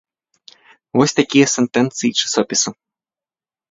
Вось такія сентэнцыі часопіса.